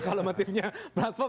kalau motifnya platform